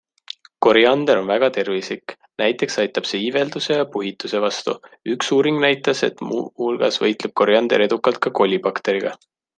Koriander on väga tervislik, näiteks aitab see iivelduse ja puhituse vastu, üks uuring näitas, et muuhulgas võitleb koriander edukalt ka kolibakteriga.